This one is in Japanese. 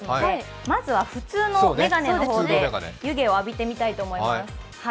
まずは普通の眼鏡の方で湯気を浴びてみたいと思います。